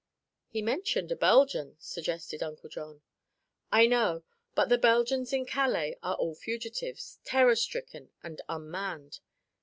"He mentioned a Belgian," suggested Uncle John. "I know; but the Belgians in Calais are all fugitives, terror stricken and unmanned."